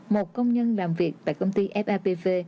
một công nhân làm việc tại công ty fapv